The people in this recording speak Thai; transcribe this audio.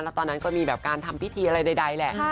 แล้วตอนนั้นก็มีแบบการทำพิธีอะไรใดแหละ